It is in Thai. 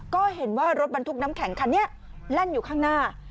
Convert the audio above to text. ก็เห็นว่ารถบรรทุกน้ำแข็งคันนี้แล่นอยู่ข้างหน้า